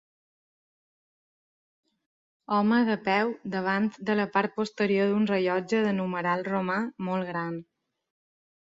Home de peu davant de la part posterior d'un rellotge de numeral romà molt gran